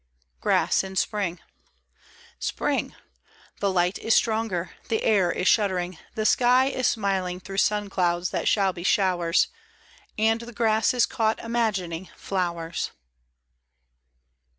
GRASS IN SPRING. SPRING 1 The light is stronger, the air is shuddering, The sky is smiling through sun clouds that shall be showers. And the grass is caught imagining Flowers.